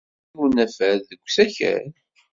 Yettwaker-iyi unafad deg usakal.